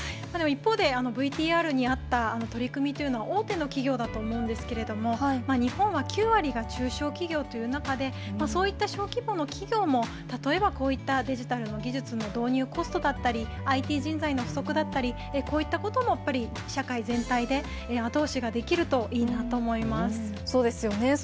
一方で、ＶＴＲにあった、取り組みというのは大手の企業だと思うんですけれども、日本は９割が中小企業という中で、そういった小規模の企業も、例えばこういったデジタルの技術の導入コストだったり、ＩＴ人材の不足だったり、こういったこともやっぱり社会全体で後押しができるといいなと思そうですよね。